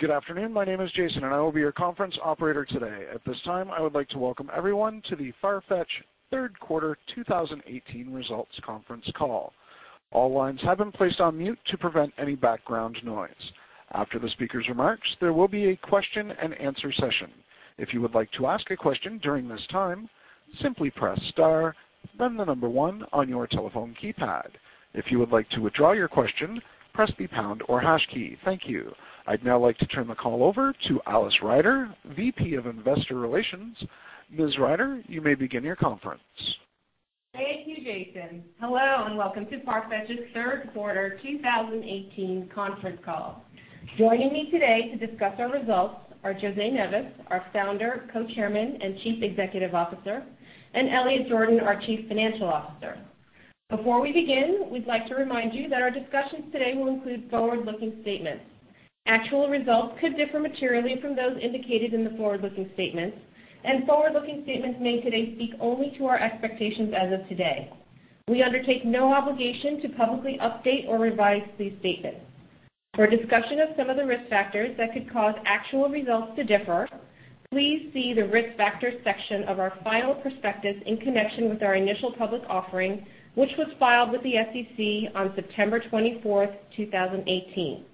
Good afternoon. My name is Jason. I will be your conference operator today. At this time, I would like to welcome everyone to the FARFETCH third quarter 2018 results conference call. All lines have been placed on mute to prevent any background noise. After the speaker's remarks, there will be a question-and-answer session. If you would like to ask a question during this time, simply press star, then one on your telephone keypad. If you would like to withdraw your question, press the pound or hash key. Thank you. I'd now like to turn the call over to Alice Ryder, VP of Investor Relations. Ms. Ryder, you may begin your conference. Thank you, Jason. Hello. Welcome to FARFETCH's third quarter 2018 conference call. Joining me today to discuss our results are José Neves, our Founder, Co-Chairman, and Chief Executive Officer, and Elliot Jordan, our Chief Financial Officer. Before we begin, we'd like to remind you that our discussions today will include forward-looking statements. Actual results could differ materially from those indicated in the forward-looking statements. Forward-looking statements made today speak only to our expectations as of today. We undertake no obligation to publicly update or revise these statements. For a discussion of some of the risk factors that could cause actual results to differ, please see the Risk Factors section of our final prospectus in connection with our IPO, which was filed with the SEC on September 24, 2018.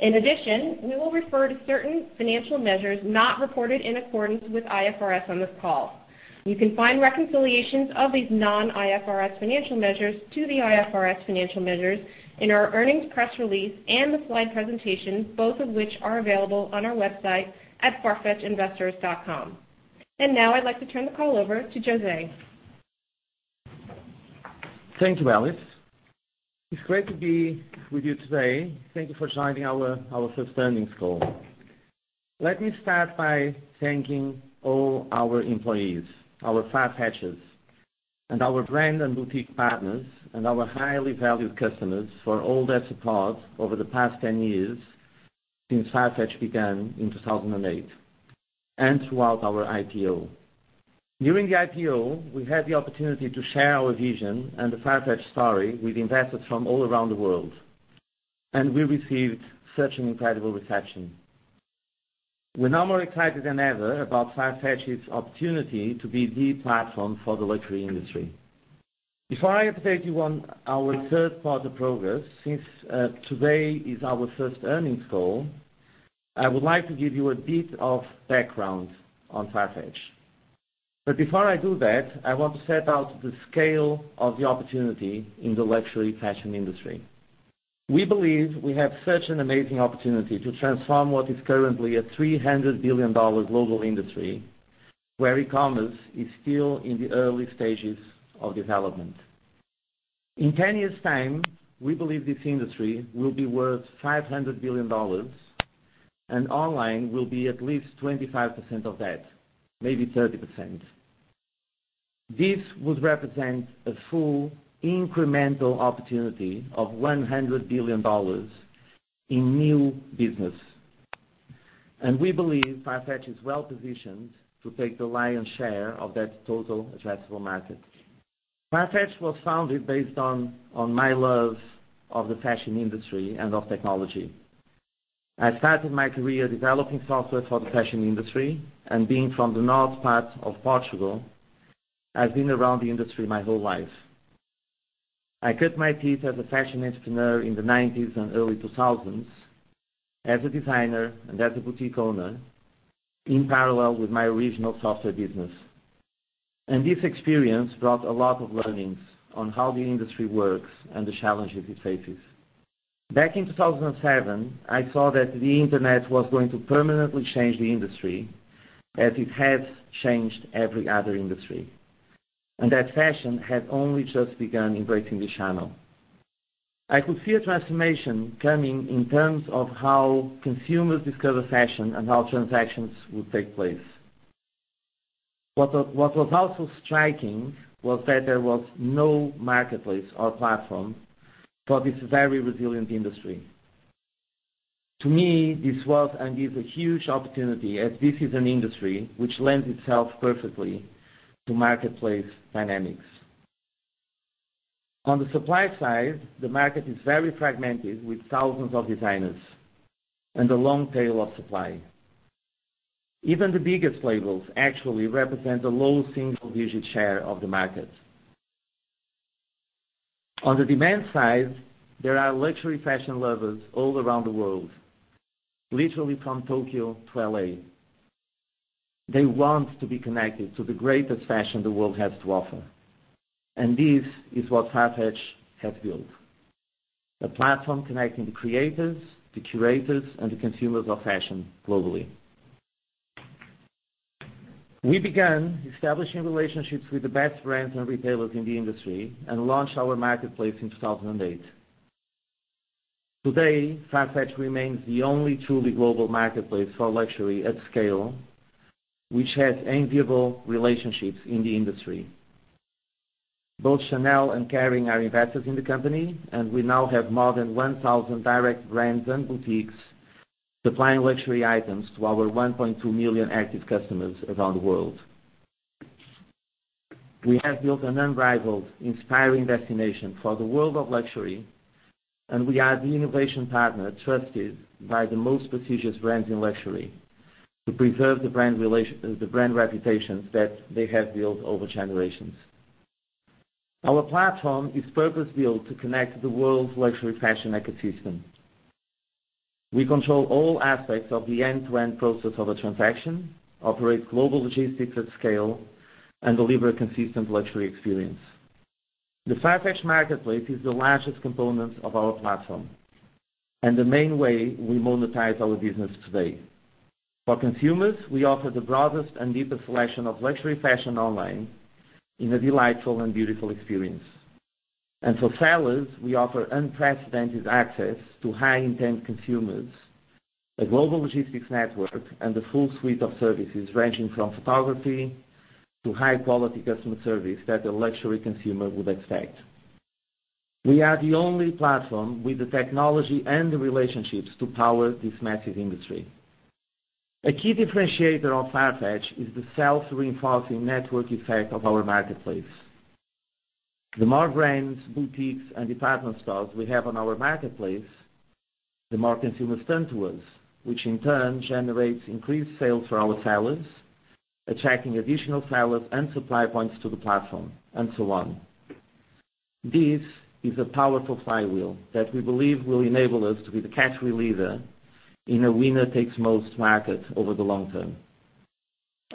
In addition, we will refer to certain financial measures not reported in accordance with IFRS on this call. You can find reconciliations of these non-IFRS financial measures to the IFRS financial measures in our earnings press release and the slide presentation, both of which are available on our website at FARFETCHinvestors.com. Now I'd like to turn the call over to José. Thank you, Alice. It's great to be with you today. Thank you for joining our first earnings call. Let me start by thanking all our employees, our FARFETCHers, and our brand and boutique partners, and our highly valued customers for all their support over the past 10 years since FARFETCH began in 2008 and throughout our IPO. During the IPO, we had the opportunity to share our vision and the FARFETCH story with investors from all around the world. We received such an incredible reception. We're now more excited than ever about FARFETCH's opportunity to be the platform for the luxury industry. Before I update you on our third-quarter progress, since today is our first earnings call, I would like to give you a bit of background on FARFETCH. Before I do that, I want to set out the scale of the opportunity in the luxury fashion industry. We believe we have such an amazing opportunity to transform what is currently a $300 billion global industry, where e-commerce is still in the early stages of development. In 10 years' time, we believe this industry will be worth $500 billion, and online will be at least 25% of that, maybe 30%. This would represent a full incremental opportunity of $100 billion in new business. We believe FARFETCH is well-positioned to take the lion's share of that total addressable market. FARFETCH was founded based on my love of the fashion industry and of technology. I started my career developing software for the fashion industry, and being from the north part of Portugal, I've been around the industry my whole life. I cut my teeth as a fashion entrepreneur in the '90s and early 2000s as a designer and as a boutique owner in parallel with my original software business. This experience brought a lot of learnings on how the industry works and the challenges it faces. Back in 2007, I saw that the internet was going to permanently change the industry, as it has changed every other industry, and that fashion had only just begun embracing this channel. I could see a transformation coming in terms of how consumers discover fashion and how transactions would take place. What was also striking was that there was no marketplace or platform for this very resilient industry. To me, this was and is a huge opportunity as this is an industry which lends itself perfectly to marketplace dynamics. On the supply side, the market is very fragmented with thousands of designers and a long tail of supply. Even the biggest labels actually represent a low single-digit share of the market. On the demand side, there are luxury fashion lovers all around the world, literally from Tokyo to L.A. They want to be connected to the greatest fashion the world has to offer. This is what FARFETCH has built: a platform connecting the creators, the curators, and the consumers of fashion globally. We began establishing relationships with the best brands and retailers in the industry and launched our marketplace in 2008. Today, FARFETCH remains the only truly global marketplace for luxury at scale, which has enviable relationships in the industry. Both Chanel and Kering are investors in the company, and we now have more than 1,000 direct brands and boutiques supplying luxury items to our 1.2 million active customers around the world. We have built an unrivaled, inspiring destination for the world of luxury, and we are the innovation partner trusted by the most prestigious brands in luxury to preserve the brand reputation that they have built over generations. Our platform is purpose-built to connect the world's luxury fashion ecosystem. We control all aspects of the end-to-end process of a transaction, operate global logistics at scale, and deliver a consistent luxury experience. The FARFETCH marketplace is the largest component of our platform and the main way we monetize our business today. For consumers, we offer the broadest and deepest selection of luxury fashion online in a delightful and beautiful experience. For sellers, we offer unprecedented access to high-intent consumers, a global logistics network, and a full suite of services ranging from photography to high-quality customer service that a luxury consumer would expect. We are the only platform with the technology and the relationships to power this massive industry. A key differentiator of FARFETCH is the self-reinforcing network effect of our marketplace. The more brands, boutiques, and department stores we have on our marketplace, the more consumers turn to us, which in turn generates increased sales for our sellers, attracting additional sellers and supply points to the platform, and so on. This is a powerful flywheel that we believe will enable us to be the category leader in a winner-takes-most market over the long term.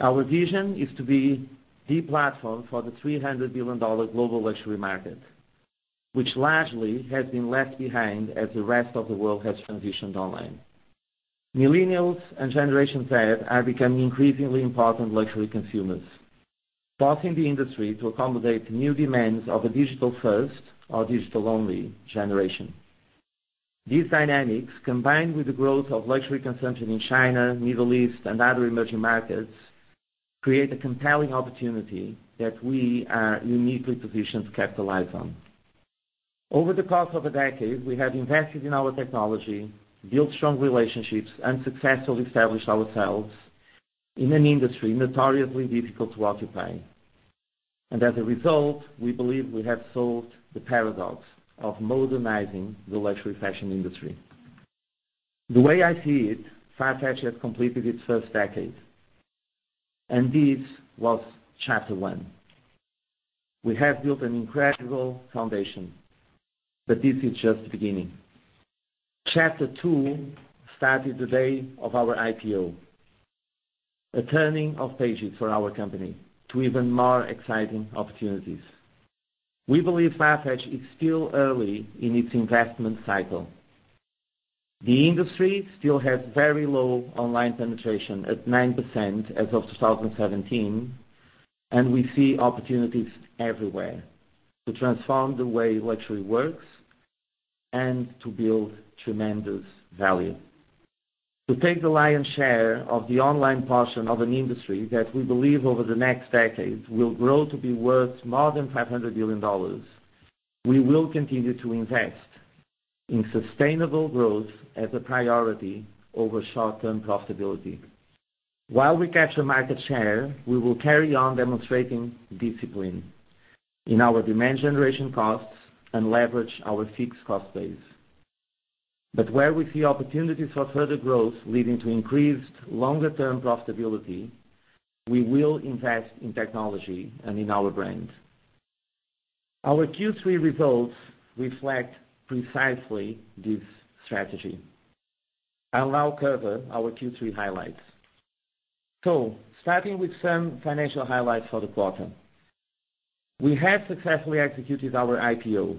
Our vision is to be the platform for the $300 billion global luxury market, which largely has been left behind as the rest of the world has transitioned online. Millennials and Generation Z are becoming increasingly important luxury consumers, forcing the industry to accommodate new demands of a digital-first or digital-only generation. These dynamics, combined with the growth of luxury consumption in China, Middle East, and other emerging markets, create a compelling opportunity that we are uniquely positioned to capitalize on. Over the course of a decade, we have invested in our technology, built strong relationships, and successfully established ourselves in an industry notoriously difficult to occupy. As a result, we believe we have solved the paradox of modernizing the luxury fashion industry. The way I see it, FARFETCH has completed its first decade, and this was Chapter one. We have built an incredible foundation, but this is just the beginning. Chapter two started the day of our IPO, a turning of pages for our company to even more exciting opportunities. We believe FARFETCH is still early in its investment cycle. The industry still has very low online penetration at 9% as of 2017, and we see opportunities everywhere to transform the way luxury works and to build tremendous value. To take the lion's share of the online portion of an industry that we believe over the next decade will grow to be worth more than $500 billion, we will continue to invest in sustainable growth as a priority over short-term profitability. While we capture market share, we will carry on demonstrating discipline in our demand generation costs and leverage our fixed cost base. Where we see opportunities for further growth leading to increased longer-term profitability, we will invest in technology and in our brand. Our Q3 results reflect precisely this strategy. I'll now cover our Q3 highlights. Starting with some financial highlights for the quarter. We have successfully executed our IPO.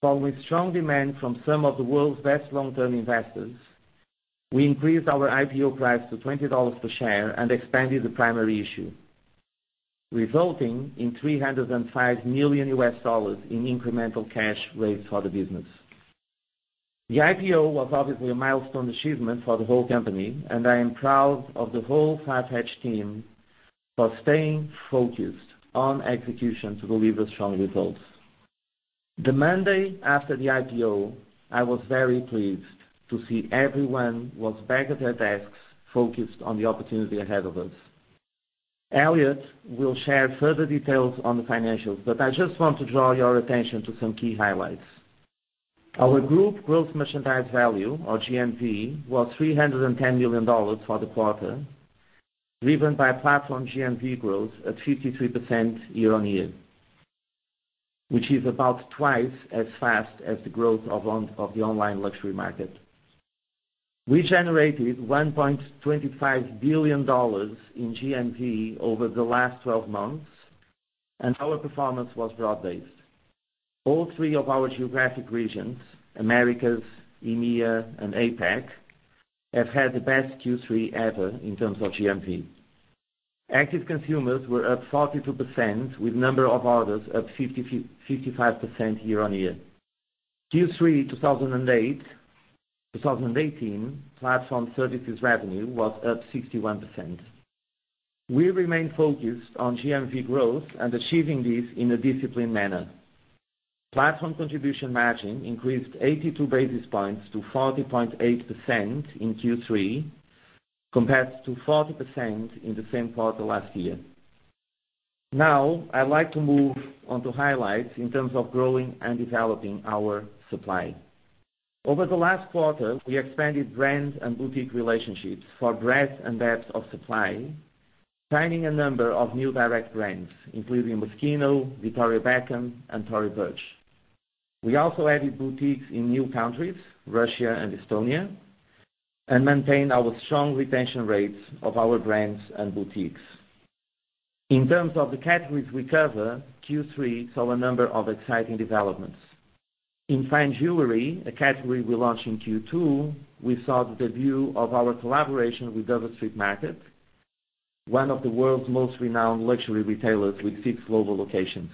Following strong demand from some of the world's best long-term investors, we increased our IPO price to $20 per share and expanded the primary issue, resulting in $305 million in incremental cash raised for the business. The IPO was obviously a milestone achievement for the whole company, and I am proud of the whole FARFETCH team for staying focused on execution to deliver strong results. The Monday after the IPO, I was very pleased to see everyone was back at their desks, focused on the opportunity ahead of us. Elliot will share further details on the financials, but I just want to draw your attention to some key highlights. Our Gross Merchandise Value, or GMV, was $310 million for the quarter, driven by Platform GMV growth at 53% year-on-year, which is about twice as fast as the growth of the online luxury market. We generated $1.25 billion in GMV over the last 12 months, and our performance was broad-based. All three of our geographic regions, Americas, EMEA, and APAC, have had the best Q3 ever in terms of GMV. Active consumers were up 42%, with the number of orders up 55% year-on-year. Q3 2018 Platform Services Revenue was up 61%. We remain focused on GMV growth and achieving this in a disciplined manner. Platform Order Contribution Margin increased 82 basis points to 40.8% in Q3, compared to 40% in the same quarter last year. I'd like to move on to highlights in terms of growing and developing our supply. Over the last quarter, we expanded brand and boutique relationships for breadth and depth of supply, signing a number of new direct brands, including Moschino, Victoria Beckham, and Tory Burch. We also added boutiques in new countries, Russia and Estonia, and maintained our strong retention rates of our brands and boutiques. In terms of the categories we cover, Q3 saw a number of exciting developments. In fine jewelry, a category we launched in Q2, we saw the debut of our collaboration with Dover Street Market, one of the world's most renowned luxury retailers with six global locations.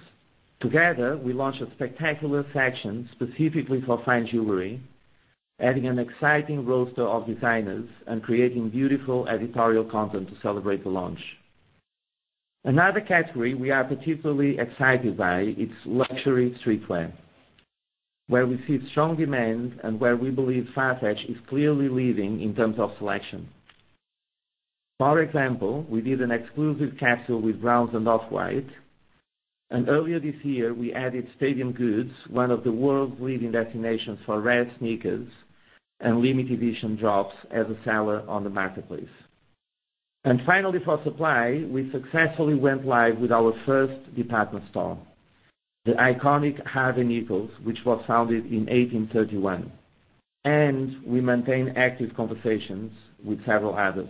Together, we launched a spectacular section specifically for fine jewelry, adding an exciting roster of designers and creating beautiful editorial content to celebrate the launch. Another category we are particularly excited by is luxury streetwear, where we see strong demand and where we believe FARFETCH is clearly leading in terms of selection. For example, we did an exclusive capsule with Browns and Off-White, and earlier this year we added Stadium Goods, one of the world's leading destinations for rare sneakers and limited edition drops, as a seller on the marketplace. Finally, for supply, we successfully went live with our first department store, the iconic Harvey Nichols, which was founded in 1831. We maintain active conversations with several others.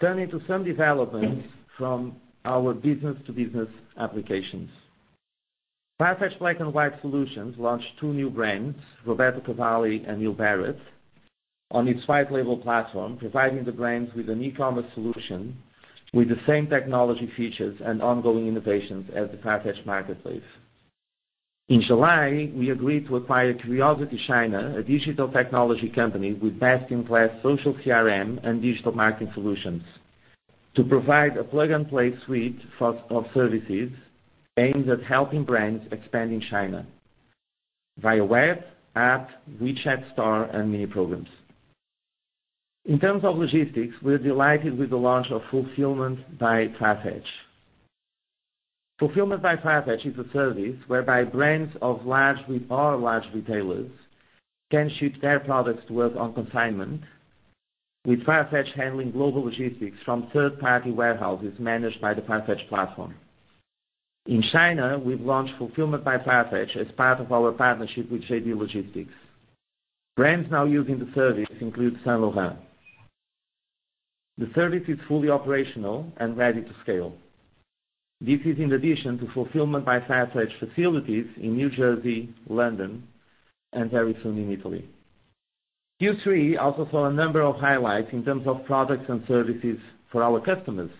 Turning to some developments from our business-to-business applications. FARFETCH Black & White Solutions launched two new brands, Roberto Cavalli and Neil Barrett, on its white label platform, providing the brands with an e-commerce solution with the same technology features and ongoing innovations as the FARFETCH marketplace. In July, we agreed to acquire CuriosityChina, a digital technology company with best-in-class social CRM and digital marketing solutions, to provide a plug-and-play suite of services aimed at helping brands expand in China via web, app, WeChat store, and mini programs. In terms of logistics, we're delighted with the launch of Fulfillment by FARFETCH. Fulfillment by FARFETCH is a service whereby brands or large retailers can ship their products to us on consignment, with FARFETCH handling global logistics from third-party warehouses managed by the FARFETCH platform. In China, we've launched Fulfillment by FARFETCH as part of our partnership with JD Logistics. Brands now using the service include Saint Laurent. The service is fully operational and ready to scale. This is in addition to Fulfillment by FARFETCH facilities in New Jersey, London, and very soon in Italy. Q3 also saw a number of highlights in terms of products and services for our customers.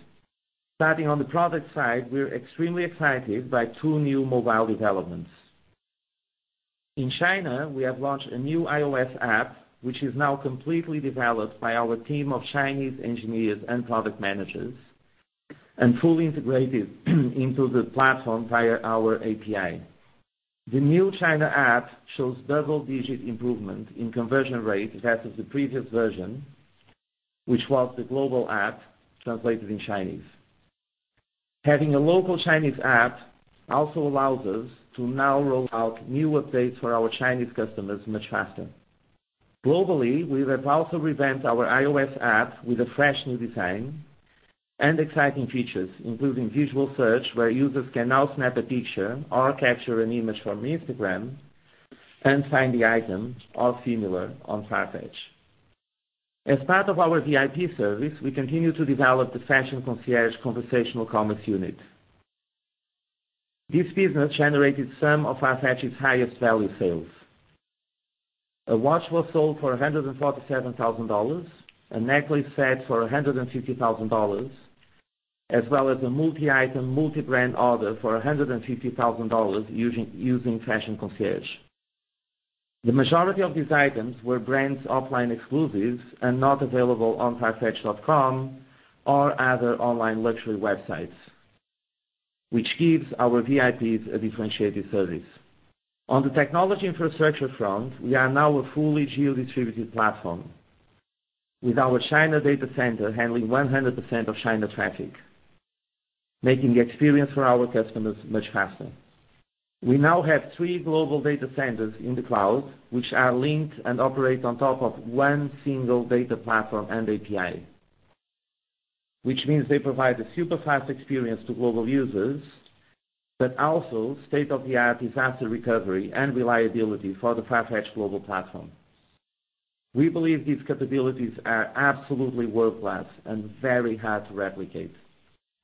Starting on the product side, we're extremely excited by two new mobile developments. In China, we have launched a new iOS app, which is now completely developed by our team of Chinese engineers and product managers and fully integrated into the platform via our API. The new China app shows double-digit improvement in conversion rate as of the previous version, which was the global app translated in Chinese. Having a local Chinese app also allows us to now roll out new updates for our Chinese customers much faster. Globally, we have also revamped our iOS app with a fresh new design and exciting features, including visual search, where users can now snap a picture or capture an image from Instagram and find the item or similar on FARFETCH. As part of our VIP service, we continue to develop the Fashion Concierge conversational commerce unit. This business generated some of FARFETCH's highest value sales. A watch was sold for $147,000, a necklace set for $150,000, as well as a multi-item, multi-brand order for $150,000 using Fashion Concierge. The majority of these items were brands offline exclusives and not available on FARFETCH.com or other online luxury websites, which gives our VIPs a differentiated service. On the technology infrastructure front, we are now a fully geo-distributed platform, with our China data center handling 100% of China traffic, making the experience for our customers much faster. We now have three global data centers in the cloud, which are linked and operate on top of one single data platform and API, which means they provide a super-fast experience to global users, but also state-of-the-art disaster recovery and reliability for the FARFETCH global platform. We believe these capabilities are absolutely world-class and very hard to replicate.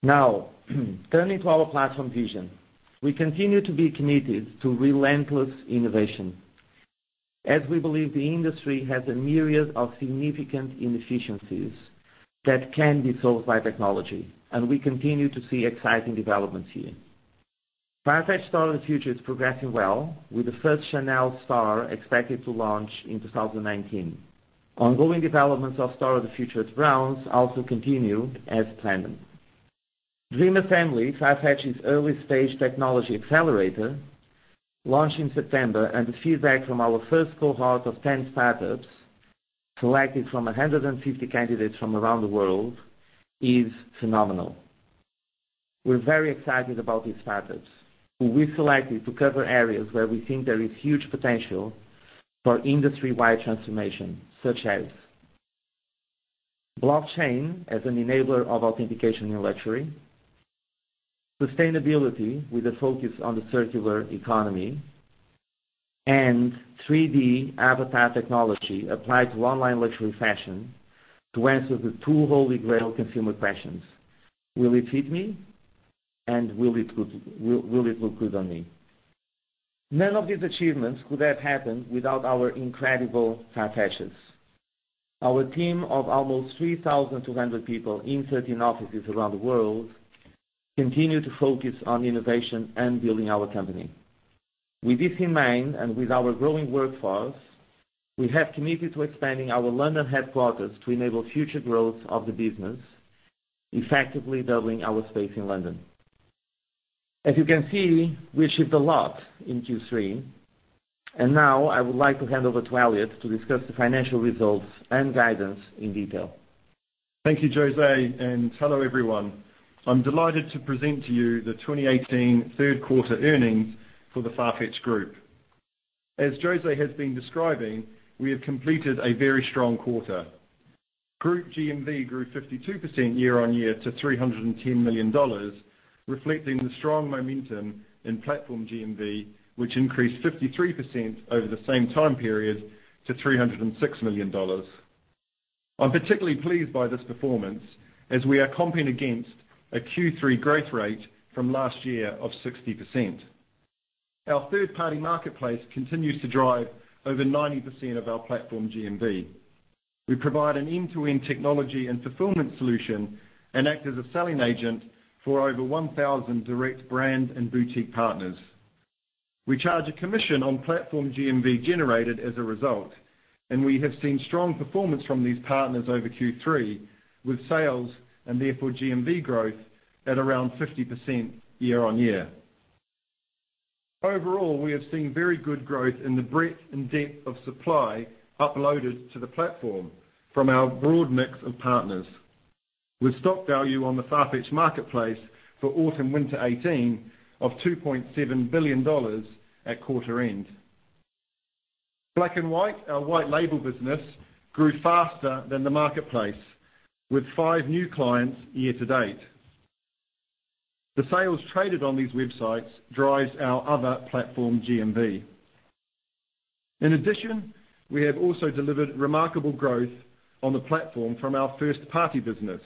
Turning to our platform vision. We continue to be committed to relentless innovation, as we believe the industry has a myriad of significant inefficiencies that can be solved by technology. We continue to see exciting developments here. FARFETCH Store of the Future is progressing well, with the first Chanel store expected to launch in 2019. Ongoing developments of Store of the Future at Browns also continue as planned. Dream Assembly, FARFETCH's early-stage technology accelerator, launched in September, and the feedback from our first cohort of 10 startups, selected from 150 candidates from around the world, is phenomenal. We're very excited about these startups, who we selected to cover areas where we think there is huge potential for industry-wide transformation, such as blockchain as an enabler of authentication in luxury, sustainability with a focus on the circular economy, and 3D avatar technology applied to online luxury fashion to answer the two holy grail consumer questions: will it fit me, and will it look good on me? None of these achievements could have happened without our incredible FARFETCHers. Our team of almost 3,200 people in 13 offices around the world continue to focus on innovation and building our company. With this in mind and with our growing workforce, we have committed to expanding our London headquarters to enable future growth of the business, effectively doubling our space in London. As you can see, we achieved a lot in Q3. Now I would like to hand over to Elliot to discuss the financial results and guidance in detail. Thank you, José. Hello, everyone. I'm delighted to present to you the 2018 third-quarter earnings for the FARFETCH group. As José has been describing, we have completed a very strong quarter. Group GMV grew 52% year-on-year to $310 million, reflecting the strong momentum in Platform GMV, which increased 53% over the same time period to $306 million. I'm particularly pleased by this performance, as we are comping against a Q3 growth rate from last year of 60%. Our third-party marketplace continues to drive over 90% of our Platform GMV. We provide an end-to-end technology and fulfillment solution and act as a selling agent for over 1,000 direct brand and boutique partners. We charge a commission on Platform GMV generated as a result. We have seen strong performance from these partners over Q3 with sales and, therefore GMV growth, at around 50% year-on-year. Overall, we have seen very good growth in the breadth and depth of supply uploaded to the platform from our broad mix of partners, with stock value on the FARFETCH marketplace for autumn/winter 2018 of $2.7 billion at quarter end. FARFETCH Black & White, our white-label business, grew faster than the marketplace, with five new clients year to date. The sales traded on these websites drives our other Platform GMV. In addition, we have also delivered remarkable growth on the platform from our first-party business,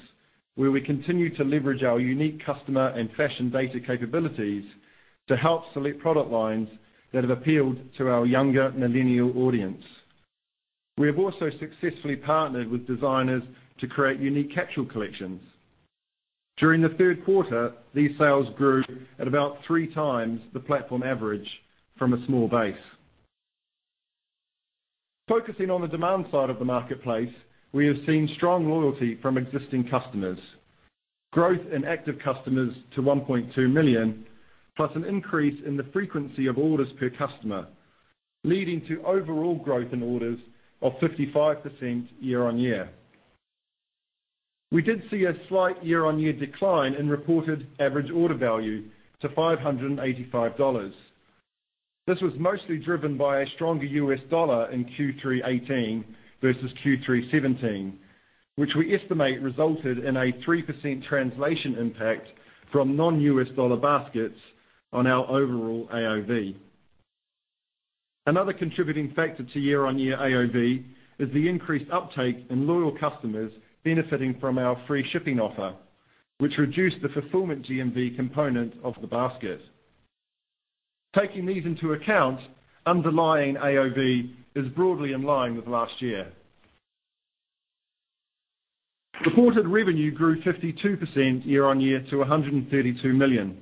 where we continue to leverage our unique customer and fashion data capabilities to help select product lines that have appealed to our younger millennial audience. We have also successfully partnered with designers to create unique capsule collections. During the third quarter, these sales grew at about three times the platform average from a small base. Focusing on the demand side of the marketplace, we have seen strong loyalty from existing customers. Growth in active customers to 1.2 million, plus an increase in the frequency of orders per customer, leading to overall growth in orders of 55% year-on-year. We did see a slight year-on-year decline in reported average order value to $585. This was mostly driven by a stronger U.S. dollar in Q3 2018 versus Q3 2017, which we estimate resulted in a 3% translation impact from non-U.S. dollar baskets on our overall AOV. Another contributing factor to year-on-year AOV is the increased uptake in loyal customers benefiting from our free shipping offer, which reduced the fulfillment GMV component of the basket. Taking these into account, underlying AOV is broadly in line with last year. Reported revenue grew 52% year-on-year to $132 million.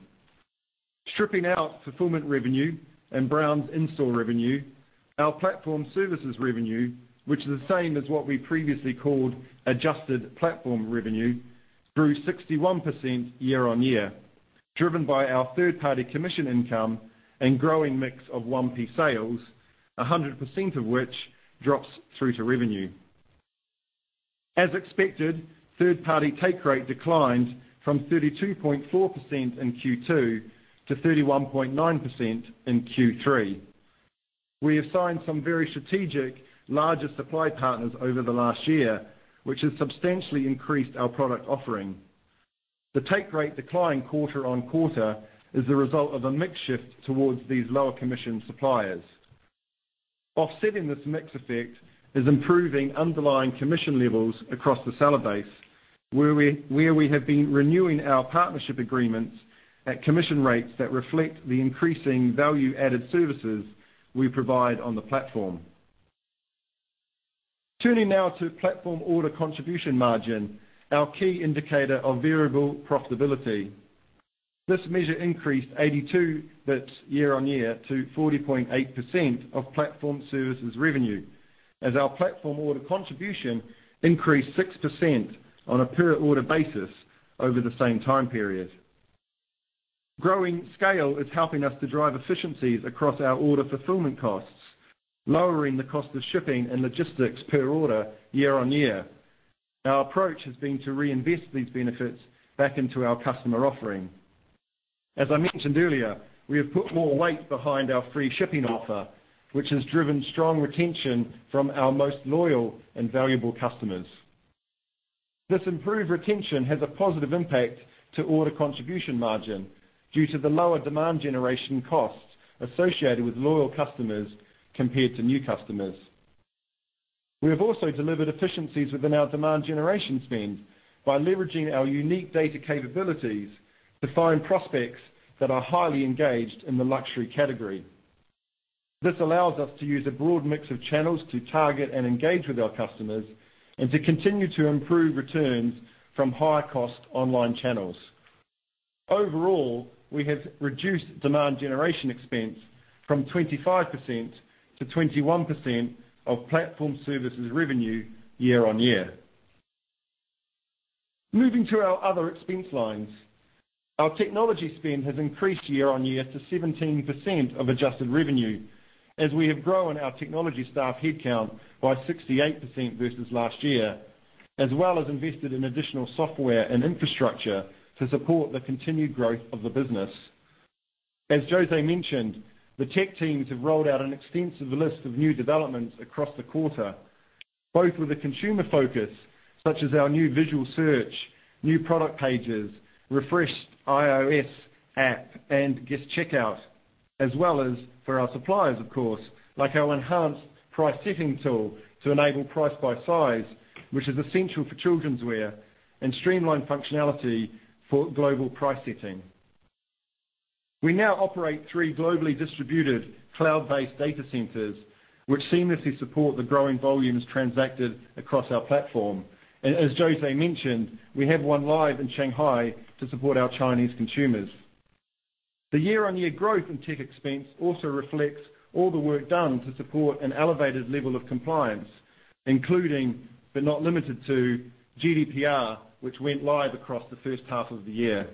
Stripping out fulfillment revenue and Browns in-store revenue, our Platform Services Revenue, which is the same as what we previously called Adjusted Platform Revenue, grew 61% year-on-year, driven by our third-party commission income and growing mix of 1P sales, 100% of which drops through to revenue. As expected, third-party take rate declined from 32.4% in Q2 to 31.9% in Q3. We have signed some very strategic, larger supply partners over the last year, which has substantially increased our product offering. The take rate decline quarter-on-quarter is the result of a mix shift towards these lower commission suppliers. Offsetting this mix effect is improving underlying commission levels across the seller base, where we have been renewing our partnership agreements at commission rates that reflect the increasing value-added services we provide on the platform. Turning now to Platform Order Contribution Margin, our key indicator of variable profitability. This measure increased 82 basis points year-on-year to 40.8% of Platform Services Revenue, as our platform order contribution increased 6% on a per-order basis over the same time period. Growing scale is helping us to drive efficiencies across our order fulfillment costs, lowering the cost of shipping and logistics per order year-on-year. Our approach has been to reinvest these benefits back into our customer offering. As I mentioned earlier, we have put more weight behind our free shipping offer, which has driven strong retention from our most loyal and valuable customers. This improved retention has a positive impact to Platform Order Contribution Margin due to the lower demand generation costs associated with loyal customers compared to new customers. We have also delivered efficiencies within our demand generation spend by leveraging our unique data capabilities to find prospects that are highly engaged in the luxury category. This allows us to use a broad mix of channels to target and engage with our customers, to continue to improve returns from high-cost online channels. Overall, we have reduced demand generation expense from 25% to 21% of Platform Services Revenue year-on-year. Moving to our other expense lines, our technology spend has increased year-on-year to 17% of adjusted revenue, as we have grown our technology staff headcount by 68% versus last year, as well as invested in additional software and infrastructure to support the continued growth of the business. As José mentioned, the tech teams have rolled out an extensive list of new developments across the quarter, both with a consumer focus, such as our new visual search, new product pages, refreshed iOS app, and guest checkout, as well as for our suppliers, of course, like our enhanced price setting tool to enable price by size, which is essential for childrenswear, and streamlined functionality for global price setting. We now operate three globally distributed cloud-based data centers, which seamlessly support the growing volumes transacted across our platform. As José mentioned, we have one live in Shanghai to support our Chinese consumers. The year-on-year growth in tech expense also reflects all the work done to support an elevated level of compliance, including, but not limited to GDPR, which went live across the first half of the year.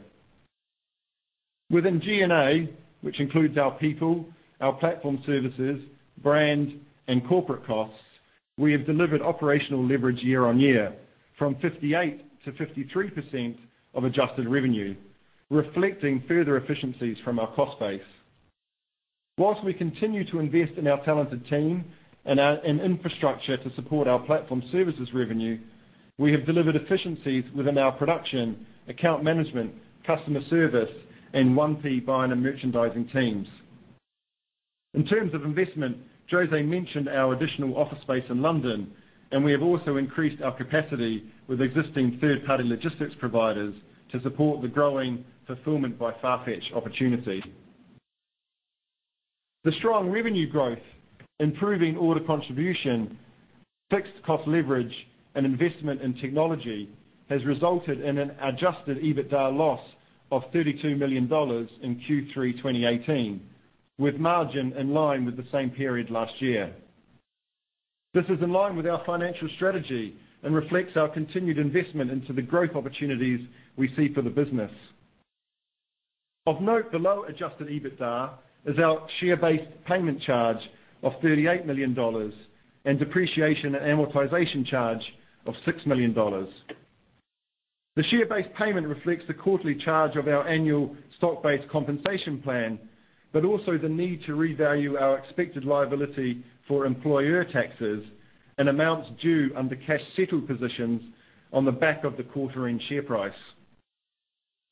Within G&A, which includes our people, our Platform Services, brand, and corporate costs, we have delivered operational leverage year-on-year from 58% to 53% of Adjusted Platform Revenue, reflecting further efficiencies from our cost base. Whilst we continue to invest in our talented team and infrastructure to support our Platform Services Revenue, we have delivered efficiencies within our production, account management, customer service, and 1P buying and merchandising teams. In terms of investment, José mentioned our additional office space in London, and we have also increased our capacity with existing third-party logistics providers to support the growing Fulfillment by FARFETCH opportunity. The strong revenue growth, improving order contribution, fixed cost leverage, and investment in technology has resulted in an adjusted EBITDA loss of $32 million in Q3 2018, with margin in line with the same period last year. This is in line with our financial strategy and reflects our continued investment into the growth opportunities we see for the business. Of note, below adjusted EBITDA is our share-based payment charge of $38 million and depreciation and amortization charge of $6 million. The share-based payment reflects the quarterly charge of our annual stock-based compensation plan, but also the need to revalue our expected liability for employer taxes and amounts due under cash-settled positions on the back of the quarter-end share price.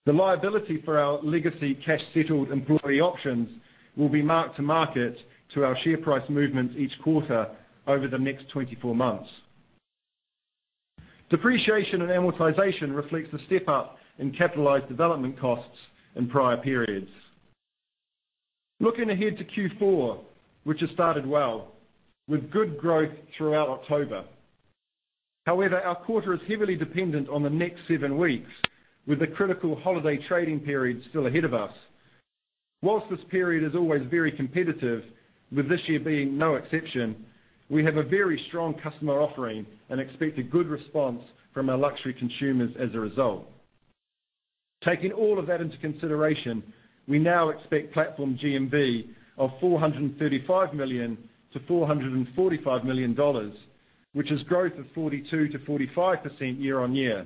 The liability for our legacy cash-settled employee options will be marked to market to our share price movements each quarter over the next 24 months. Depreciation and amortization reflects the step-up in capitalized development costs in prior periods. Looking ahead to Q4, which has started well, with good growth throughout October. Our quarter is heavily dependent on the next seven weeks, with the critical holiday trading period still ahead of us. Whilst this period is always very competitive, with this year being no exception, we have a very strong customer offering and expect a good response from our luxury consumers as a result. Taking all of that into consideration, we now expect Platform GMV of $435 million to $445 million, which is growth of 42% to 45% year-on-year,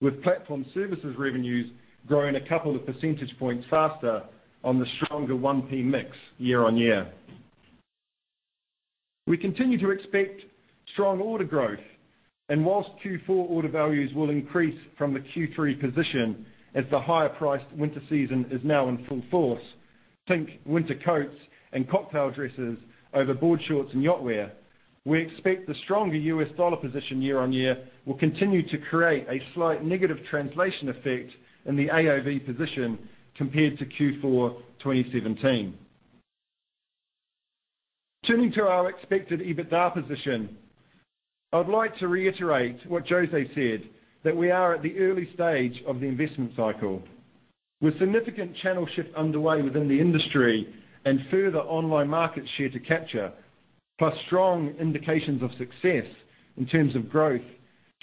with Platform Services revenues growing a couple of percentage points faster on the stronger 1P mix year-on-year. We continue to expect strong order growth, and whilst Q4 order values will increase from the Q3 position as the higher priced winter season is now in full force, think winter coats and cocktail dresses over board shorts and yacht wear. We expect the stronger U.S. dollar position year-on-year will continue to create a slight negative translation effect in the AOV position compared to Q4 2017. Turning to our expected EBITDA position. I would like to reiterate what José said, that we are at the early stage of the investment cycle. With significant channel shift underway within the industry and further online market share to capture, plus strong indications of success in terms of growth,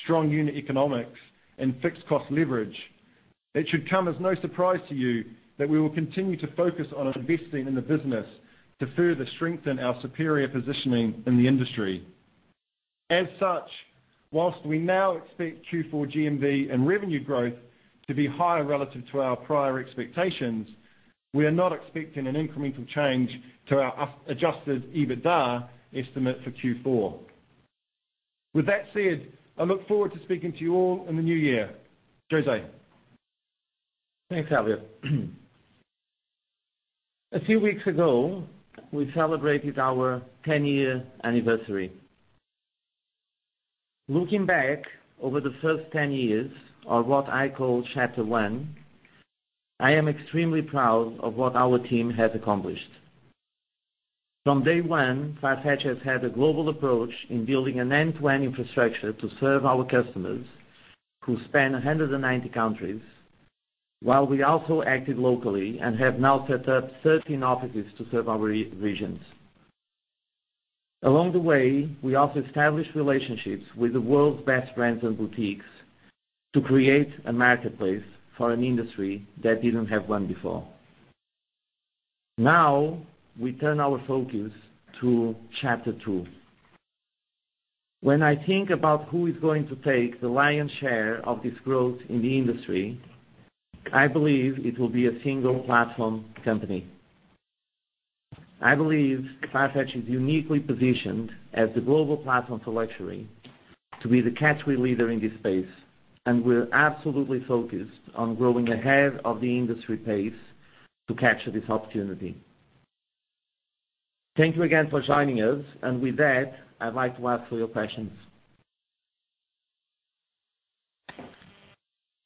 strong unit economics and fixed cost leverage, it should come as no surprise to you that we will continue to focus on investing in the business to further strengthen our superior positioning in the industry. Whilst we now expect Q4 GMV and revenue growth to be higher relative to our prior expectations, we are not expecting an incremental change to our adjusted EBITDA estimate for Q4. With that said, I look forward to speaking to you all in the new year. José. Thanks, Elliot. A few weeks ago, we celebrated our 10-year anniversary. Looking back over the first 10 years, or what I call Chapter One, I am extremely proud of what our team has accomplished. From day one, FARFETCH has had a global approach in building an end-to-end infrastructure to serve our customers who span 190 countries, while we also acted locally and have now set up 13 offices to serve our regions. Along the way, we also established relationships with the world's best brands and boutiques to create a marketplace for an industry that didn't have one before. Now, we turn our focus to Chapter Two. When I think about who is going to take the lion's share of this growth in the industry, I believe it will be a single-platform company. I believe FARFETCH is uniquely positioned as the global platform for luxury to be the category leader in this space, and we're absolutely focused on growing ahead of the industry pace to capture this opportunity. Thank you again for joining us. With that, I'd like to ask for your questions.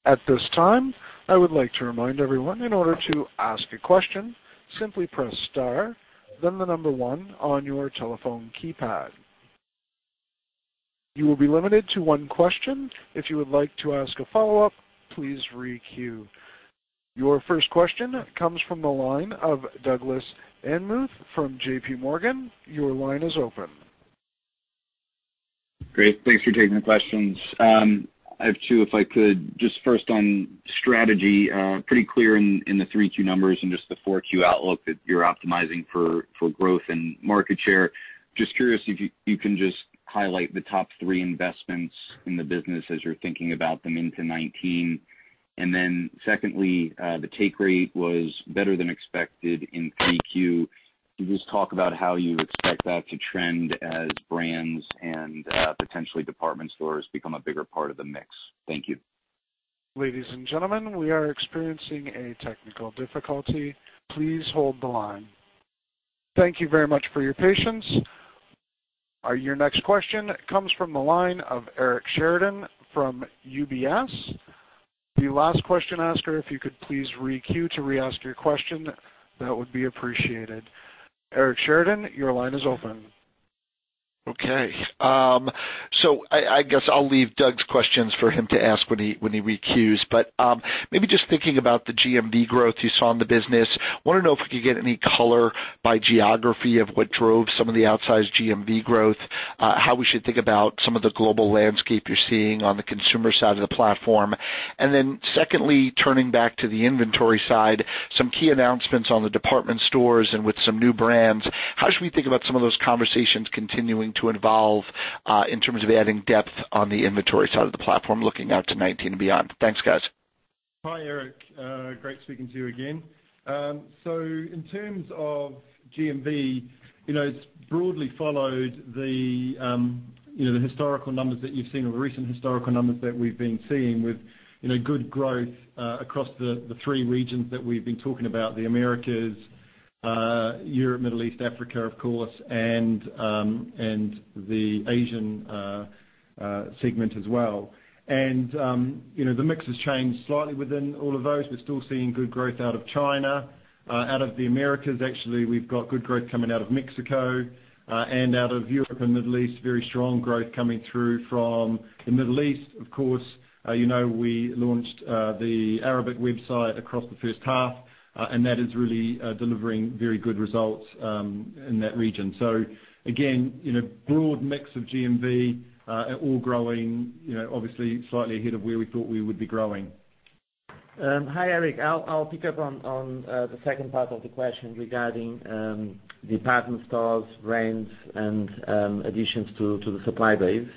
At this time, I would like to remind everyone, in order to ask a question, simply press star, then the number one on your telephone keypad. You will be limited to one question. If you would like to ask a follow-up, please re-queue. Your first question comes from the line of Douglas Anmuth from JPMorgan. Your line is open. Great. Thanks for taking the questions. I have two, if I could, just first on strategy. Pretty clear in the three key numbers and just the 4Q outlook that you're optimizing for growth and market share. Just curious if you can just highlight the top three investments in the business as you're thinking about them into 2019. Secondly, the take rate was better than expected in 3Q. Can you just talk about how you expect that to trend as brands and potentially department stores become a bigger part of the mix? Thank you. Ladies and gentlemen, we are experiencing a technical difficulty. Please hold the line. Thank you very much for your patience. Your next question comes from the line of Eric Sheridan from UBS. The last question asker, if you could please re-queue to re-ask your question, that would be appreciated. Eric Sheridan, your line is open. Okay. I guess I'll leave Doug's questions for him to ask when he re-queues. Maybe just thinking about the GMV growth you saw in the business, want to know if we could get any color by geography of what drove some of the outsized GMV growth, how we should think about some of the global landscape you're seeing on the consumer side of the platform. Secondly, turning back to the inventory side, some key announcements on the department stores and with some new brands. How should we think about some of those conversations continuing to evolve, in terms of adding depth on the inventory side of the platform, looking out to 2019 and beyond? Thanks, guys. Hi, Eric. Great speaking to you again. In terms of GMV, it's broadly followed the historical numbers that you've seen, or recent historical numbers that we've been seeing with good growth across the three regions that we've been talking about, the Americas, Europe, Middle East, Africa, of course, and the Asian segment as well. The mix has changed slightly within all of those. We're still seeing good growth out of China. Out of the Americas, actually, we've got good growth coming out of Mexico. Out of Europe and Middle East, very strong growth coming through from the Middle East. Of course, you know we launched the Arabic website across the first half, and that is really delivering very good results in that region. Again, broad mix of GMV are all growing, obviously slightly ahead of where we thought we would be growing. Hi, Eric. I'll pick up on the second part of the question regarding department stores, brands, and additions to the supply base.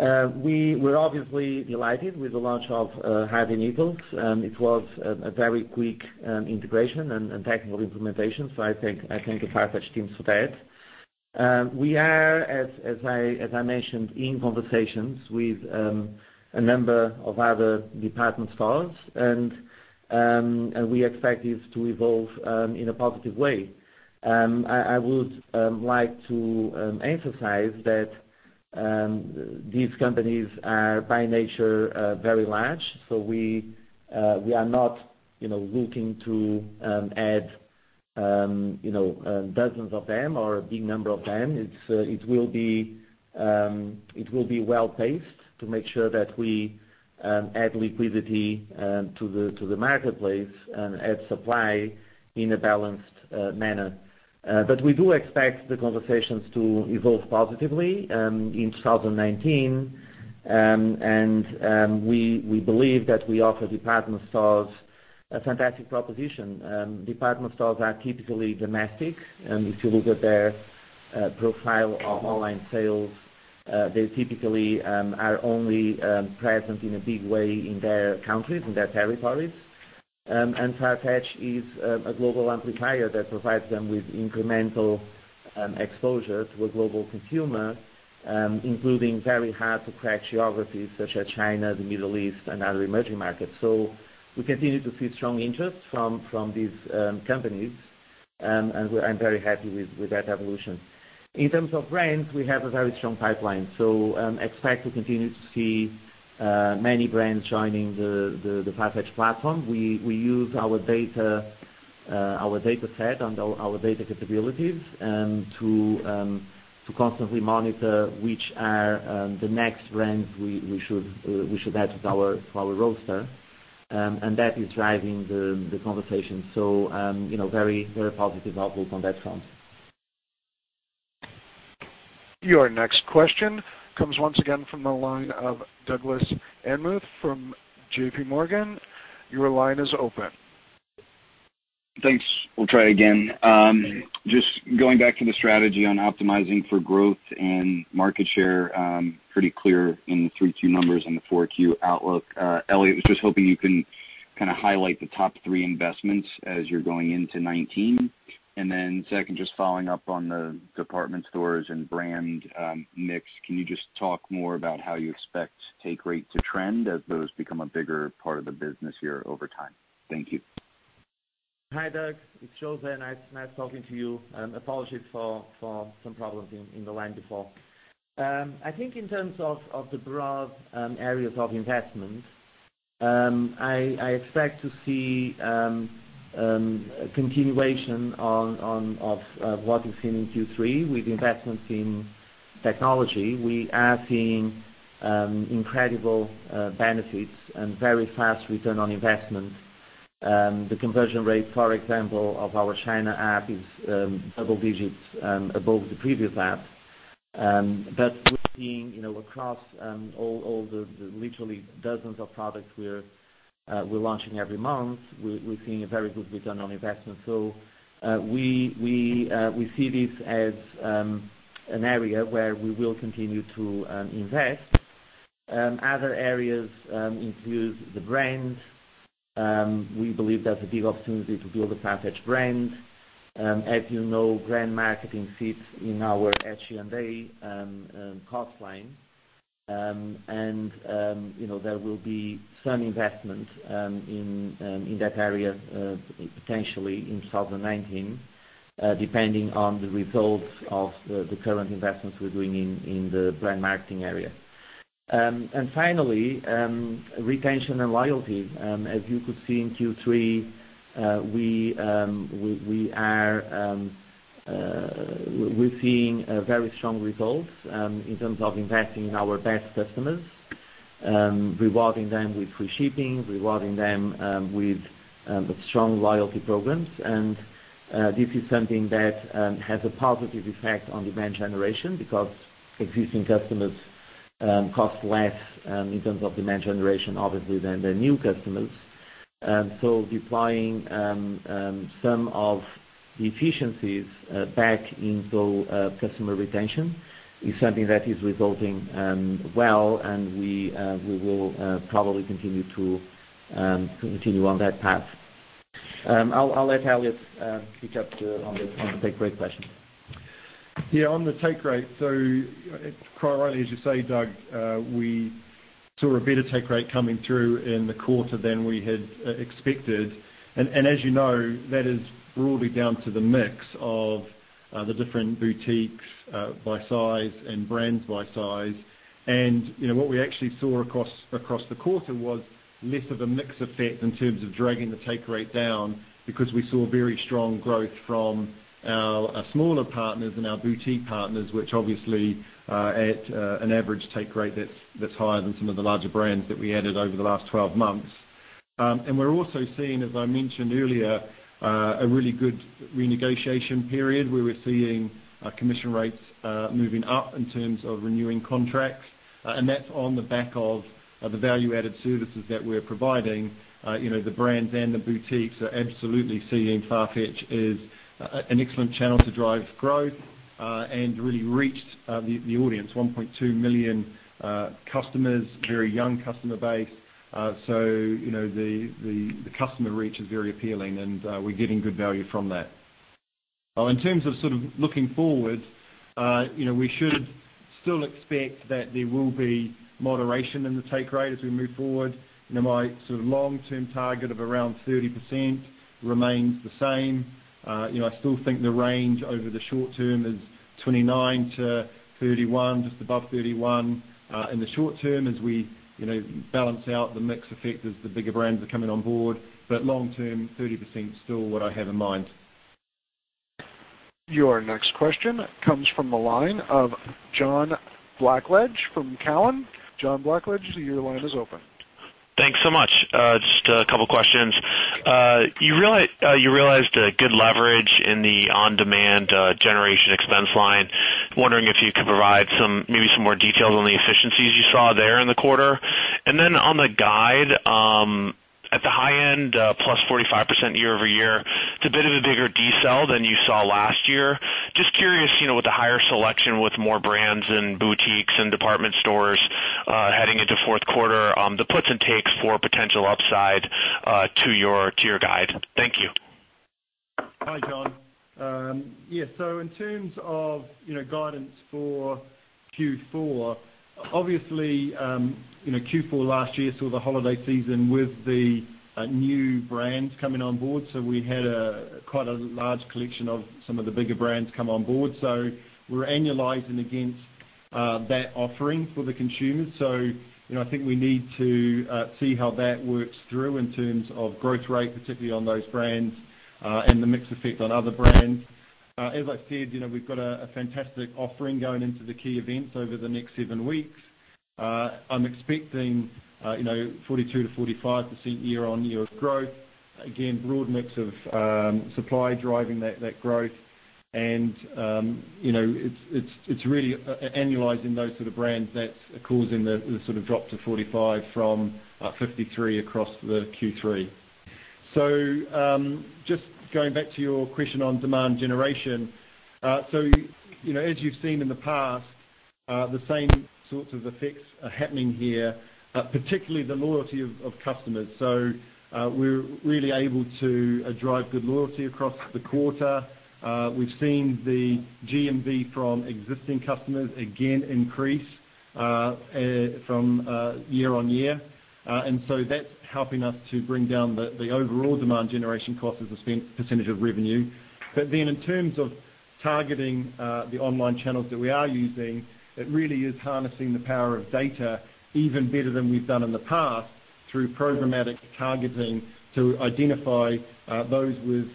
We were obviously delighted with the launch of Harvey Nichols. It was a very quick integration and technical implementation, so I thank the FARFETCH teams for that. We are, as I mentioned, in conversations with a number of other department stores, and we expect this to evolve in a positive way. I would like to emphasize that these companies are by nature very large, so we are not looking to add dozens of them or a big number of them. It will be well-paced to make sure that we add liquidity to the marketplace and add supply in a balanced manner. We do expect the conversations to evolve positively in 2019. We believe that we offer department stores a fantastic proposition. Department stores are typically domestic. If you look at their profile of online sales, they typically are only present in a big way in their countries, in their territories. FARFETCH is a global amplifier that provides them with incremental exposure to a global consumer, including very hard-to-crack geographies such as China, the Middle East, and other emerging markets. We continue to see strong interest from these companies, and I'm very happy with that evolution. In terms of brands, we have a very strong pipeline. Expect to continue to see many brands joining the FARFETCH platform. We use our data set and our data capabilities to constantly monitor which are the next brands we should add to our roster. That is driving the conversation. Very positive outlook on that front. Your next question comes once again from the line of Douglas Anmuth from JPMorgan. Your line is open. Thanks. We'll try again. Just going back to the strategy on optimizing for growth and market share, pretty clear in the 3-2 numbers and the 4Q outlook. Elliot was just hoping you can kind of highlight the top three investments as you're going into 2019. Second, just following up on the department stores and brand mix, can you just talk more about how you expect take rate to trend as those become a bigger part of the business here over time? Thank you. Hi, Doug. It's José. Nice talking to you. Apologies for some problems in the line before. I think in terms of the broad areas of investment, I expect to see a continuation of what we've seen in Q3 with investments in technology. We are seeing incredible benefits and very fast return on investment. The conversion rate, for example, of our China app is double digits above the previous app. We're seeing across all the literally dozens of products we're launching every month, we're seeing a very good return on investment. We see this as an area where we will continue to invest. Other areas include the brand. We believe there's a big opportunity to build a FARFETCH brand. As you know, brand marketing sits in our SG&A cost line. There will be some investments in that area, potentially in 2019, depending on the results of the current investments we're doing in the brand marketing area. Finally, retention and loyalty. As you could see in Q3, we're seeing very strong results in terms of investing in our best customers, rewarding them with free shipping, rewarding them with strong loyalty programs. This is something that has a positive effect on demand generation because existing customers cost less in terms of demand generation, obviously, than the new customers. Deploying some of the efficiencies back into customer retention is something that is resulting well, and we will probably continue on that path. I'll let Elliot pick up on the take rate question. Yeah, on the take rate. Quite rightly, as you say, Doug, we saw a better take rate coming through in the quarter than we had expected. As you know, that is broadly down to the mix of the different boutiques by size and brands by size. What we actually saw across the quarter was less of a mix effect in terms of dragging the take rate down because we saw very strong growth from our smaller partners and our boutique partners, which obviously, at an average take rate that's higher than some of the larger brands that we added over the last 12 months. We're also seeing, as I mentioned earlier, a really good renegotiation period where we're seeing our commission rates moving up in terms of renewing contracts. That's on the back of the value-added services that we're providing. The brands and the boutiques are absolutely seeing FARFETCH as an excellent channel to drive growth and really reach the audience. 1.2 million customers, very young customer base. The customer reach is very appealing, and we're getting good value from that. In terms of sort of looking forward, we should still expect that there will be moderation in the take rate as we move forward. My sort of long-term target of around 30% remains the same. I still think the range over the short term is 29%-31%, just above 31% in the short term, as we balance out the mix effect as the bigger brands are coming on board. Long term, 30% is still what I have in mind. Your next question comes from the line of John Blackledge from Cowen. John Blackledge, your line is open. Thanks so much. Just a couple of questions. You realized a good leverage in the on-demand generation expense line. Wondering if you could provide maybe some more details on the efficiencies you saw there in the quarter. On the guide, at the high end, +45% year-over-year, it's a bit of a bigger decel than you saw last year. Just curious, with the higher selection, with more brands and boutiques and department stores heading into fourth quarter, the puts and takes for potential upside to your guide. Thank you. Hi, John. In terms of guidance for Q4, obviously, Q4 last year saw the holiday season with the new brands coming on board. We had quite a large collection of some of the bigger brands come on board. We're annualizing against that offering for the consumer. I think we need to see how that works through in terms of growth rate, particularly on those brands, and the mix effect on other brands. As I said, we've got a fantastic offering going into the key events over the next seven weeks. I'm expecting 42%-45% year-on-year growth. Again, broad mix of supply driving that growth. It's really annualizing those sort of brands that's causing the sort of drop to 45% from 53% across the Q3. Just going back to your question on demand generation. As you've seen in the past, the same sorts of effects are happening here, particularly the loyalty of customers. We're really able to drive good loyalty across the quarter. We've seen the GMV from existing customers again increase from year-on-year. That's helping us to bring down the overall demand generation cost as a percentage of revenue. In terms of targeting the online channels that we are using, it really is harnessing the power of data even better than we've done in the past, through programmatic targeting to identify those with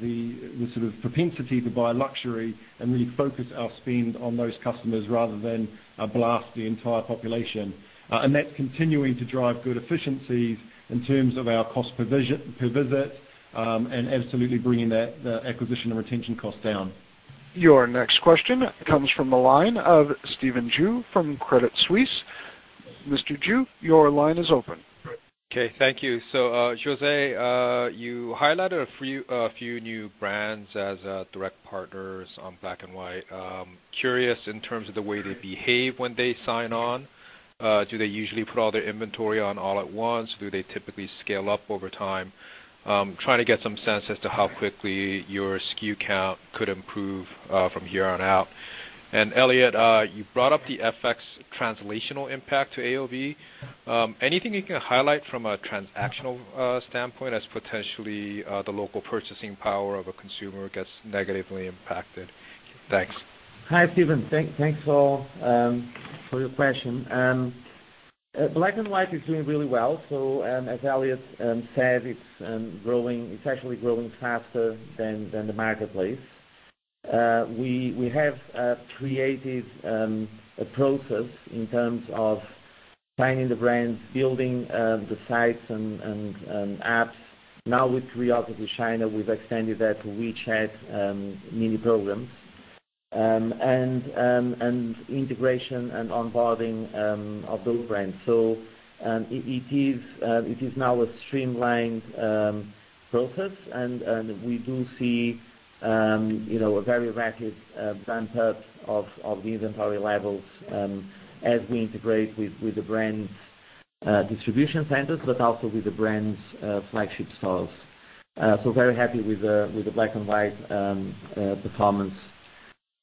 the sort of propensity to buy luxury and really focus our spend on those customers rather than blast the entire population. That's continuing to drive good efficiencies in terms of our cost per visit, and absolutely bringing the acquisition and retention costs down. Your next question comes from the line of Stephen Ju from Credit Suisse. Mr. Ju, your line is open. Thank you. José, you highlighted a few new brands as direct partners on FARFETCH Black & White. Curious in terms of the way they behave when they sign on. Do they usually put all their inventory on all at once? Do they typically scale up over time? I'm trying to get some sense as to how quickly your SKU count could improve from here on out. Elliot, you brought up the FX translational impact to AOV. Anything you can highlight from a transactional standpoint as potentially the local purchasing power of a consumer gets negatively impacted? Thanks. Hi, Stephen. Thanks all for your question. FARFETCH Black & White is doing really well. As Elliot said, it's actually growing faster than the marketplace. We have created a process in terms of finding the brands, building the sites and apps. Now with CuriosityChina, we've extended that to WeChat mini programs and integration and onboarding of those brands. It is now a streamlined process, and we do see a very rapid ramp-up of the inventory levels as we integrate with the brands' distribution centers, but also with the brands' flagship stores. Very happy with the FARFETCH Black & White performance.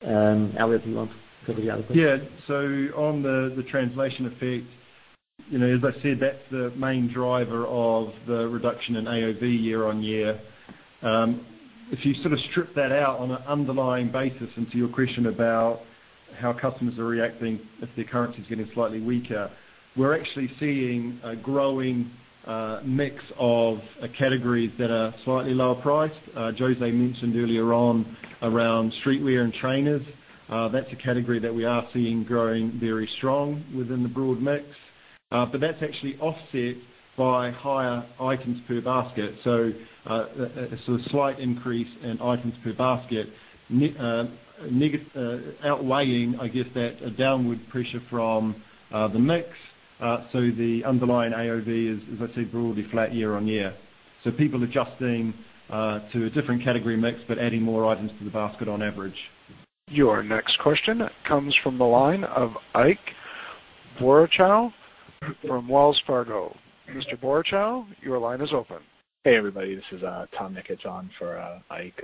Elliot, do you want to cover the other question? Yeah. On the translation effect, as I said, that's the main driver of the reduction in AOV year-on-year. If you sort of strip that out on an underlying basis, and to your question about how customers are reacting as the currency is getting slightly weaker, we're actually seeing a growing mix of categories that are slightly lower priced. José mentioned earlier on around streetwear and trainers. That's a category that we are seeing growing very strong within the broad mix. That's actually offset by higher items per basket. A sort of slight increase in items per basket, outweighing, I guess, that downward pressure from the mix. The underlying AOV is, as I said, broadly flat year-on-year. People adjusting to a different category mix, but adding more items to the basket on average. Your next question comes from the line of Ike Boruchow from Wells Fargo. Mr. Boruchow, your line is open. Hey, everybody. This is Tom Nikic on for Ike.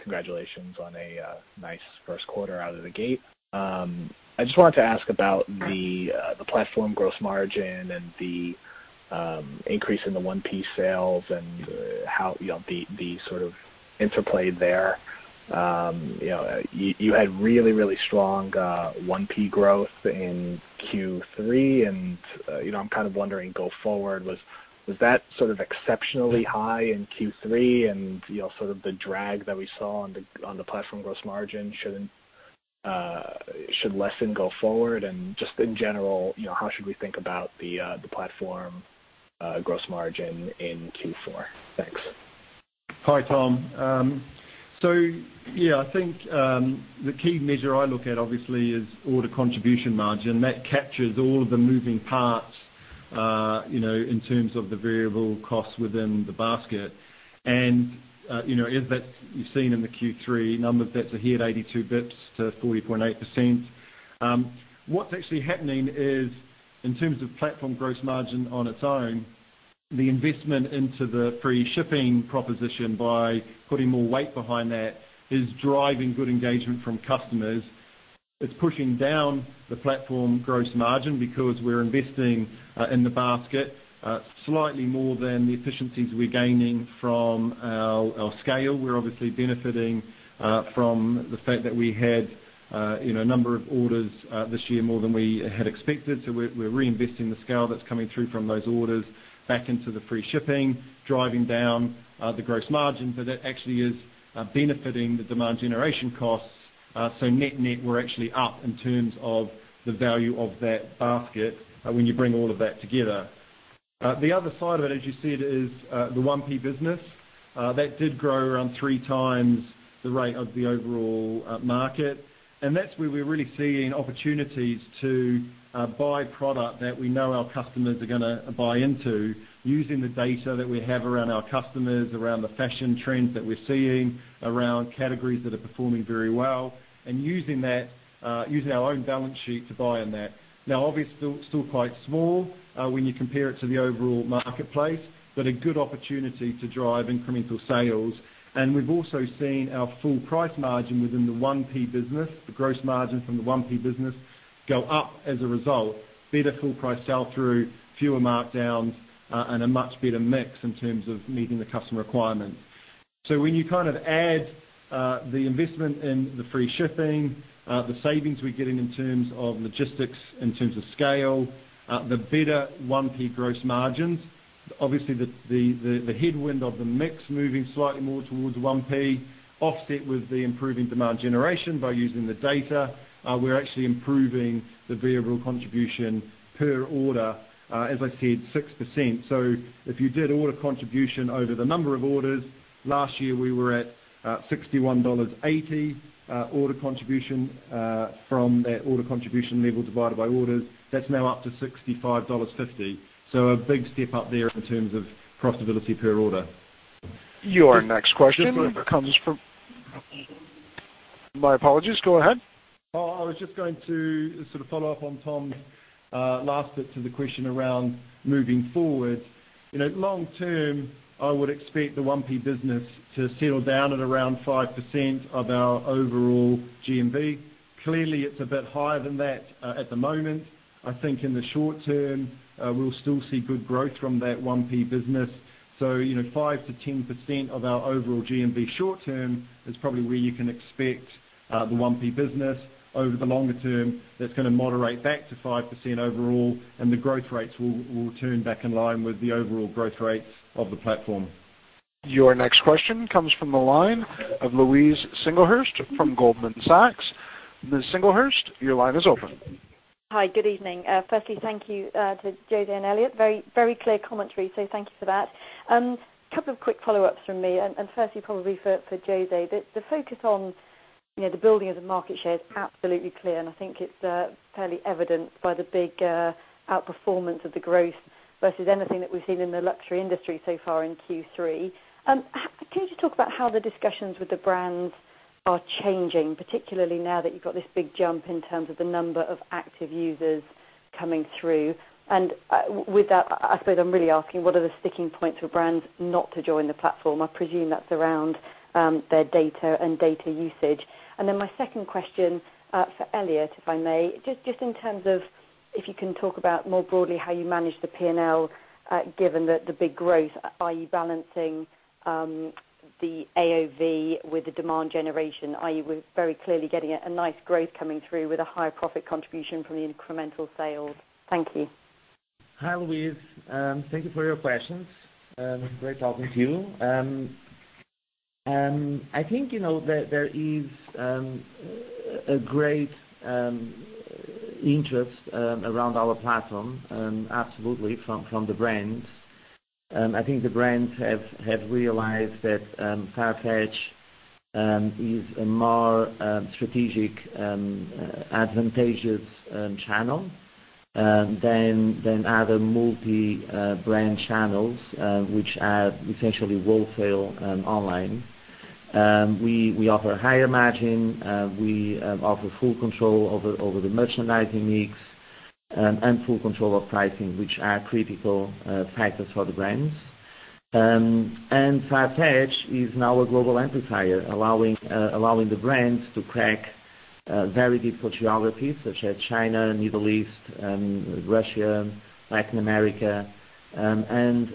Congratulations on a nice first quarter out of the gate. I just wanted to ask about the platform gross margin and the increase in the 1P sales and the sort of interplay there. You had really strong 1P growth in Q3, and I'm kind of wondering go forward, was that sort of exceptionally high in Q3 and sort of the drag that we saw on the platform gross margin should lessen go forward? Just in general, how should we think about the platform gross margin in Q4? Thanks. Hi, Tom. Yeah, I think the key measure I look at obviously, is order contribution margin. That captures all of the moving parts in terms of the variable costs within the basket. As you've seen in the Q3 numbers, that's ahead 82 basis points to 40.8%. What's actually happening is, in terms of platform gross margin on its own, the investment into the free shipping proposition by putting more weight behind that is driving good engagement from customers. It's pushing down the platform gross margin because we're investing in the basket slightly more than the efficiencies we're gaining from our scale. We're obviously benefiting from the fact that we had a number of orders this year more than we had expected. We're reinvesting the scale that's coming through from those orders back into the free shipping, driving down the gross margin. That actually is benefiting the demand generation costs. Net-net, we're actually up in terms of the value of that basket when you bring all of that together. The other side of it, as you said, is the 1P business. That did grow around three times the rate of the overall market, and that's where we're really seeing opportunities to buy product that we know our customers are going to buy into, using the data that we have around our customers, around the fashion trends that we're seeing, around categories that are performing very well, and using our own balance sheet to buy on that. Obviously, still quite small when you compare it to the overall marketplace, but a good opportunity to drive incremental sales. We've also seen our full price margin within the 1P business, the gross margin from the 1P business, go up as a result. Better full price sell-through, fewer markdowns, and a much better mix in terms of meeting the customer requirements. When you add the investment in the free shipping, the savings we're getting in terms of logistics, in terms of scale, the better 1P gross margins. Obviously, the headwind of the mix moving slightly more towards 1P, offset with the improving demand generation by using the data. We're actually improving the variable contribution per order, as I said, 6%. If you did order contribution over the number of orders, last year, we were at $61.80 order contribution. From that order contribution level divided by orders, that's now up to $65.50. A big step up there in terms of profitability per order. Your next question comes from. My apologies. Go ahead. I was just going to sort of follow up on Tom's last bit to the question around moving forward. Long term, I would expect the 1P business to settle down at around 5% of our overall GMV. Clearly, it's a bit higher than that at the moment. I think in the short term, we'll still see good growth from that 1P business. 5%-10% of our overall GMV short-term is probably where you can expect the 1P business. Over the longer term, that's going to moderate back to 5% overall, and the growth rates will turn back in line with the overall growth rates of the platform. Your next question comes from the line of Louise Singlehurst from Goldman Sachs. Ms. Singlehurst, your line is open. Hi. Good evening. Firstly, thank you to José and Elliot. Very clear commentary, so thank you for that. Couple of quick follow-ups from me, firstly, probably for José. The focus on the building of the market share is absolutely clear, and I think it's fairly evident by the big outperformance of the growth versus anything that we've seen in the luxury industry so far in Q3. Can you just talk about how the discussions with the brands are changing, particularly now that you've got this big jump in terms of the number of active users coming through? With that, I suppose I'm really asking, what are the sticking points for brands not to join the platform? I presume that's around their data and data usage. Then my second question for Elliot, if I may, just in terms of if you can talk about more broadly how you manage the P&L, given that the big growth, are you balancing the AOV with the demand generation, i.e. with very clearly getting a nice growth coming through with a higher profit contribution from the incremental sales. Thank you. Hi, Louise. Thank you for your questions. Great talking to you. I think there is a great interest around our platform, absolutely, from the brands. I think the brands have realized that FARFETCH is a more strategic, advantageous channel than other multi-brand channels, which are essentially wholesale online. We offer higher margin, we offer full control over the merchandising mix, and full control of pricing, which are critical factors for the brands. FARFETCH is now a global amplifier, allowing the brands to crack very deep geographies such as China, Middle East, Russia, Latin America, and